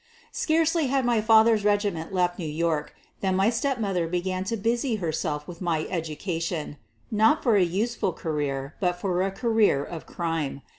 Scarcely had my father 's regiment left New York than my stepmother began to busy herself with my education — not for a useful career, but for a career of crime.